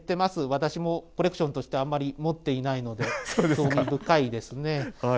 私もコレクションとしてあまり持っていないので、興味深いですね。